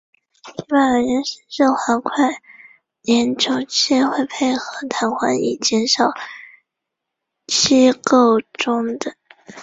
一般而言十字滑块联轴器会配合弹簧以减少机构中的。